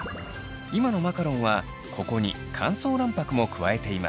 今のマカロンはここに乾燥卵白も加えています。